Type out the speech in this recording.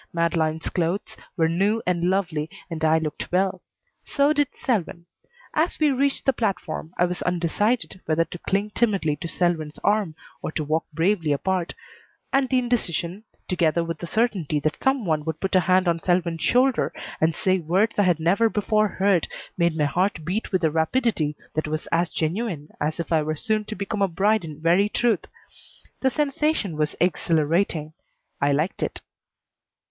Madeleine's clothes were new and lovely and I looked well. So did Selwyn. As we reached the platform I was undecided whether to cling timidly to Selwyn's arm or to walk bravely apart, and the indecision, together with the certainty that some one would put a hand on Selwyn's shoulder and say words I had never before heard, made my heart beat with a rapidity that was as genuine as if I were soon to become a bride in very truth. The sensation was exhilarating. I liked it.